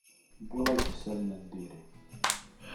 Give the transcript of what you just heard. Wwiɣ-ak-d isalan n diri.